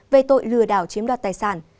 về tội lừa đảo chiếm đoạt tài sản